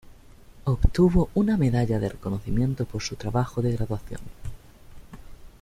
Obtuvo una medalla de reconocimiento por su trabajo de graduación.